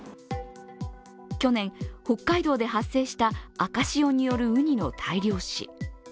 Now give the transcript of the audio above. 去年、北海道で発生した赤潮によるウニの大量死。